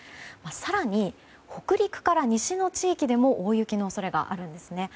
更に、北陸から西の地域でも大雪の恐れがあるんですね。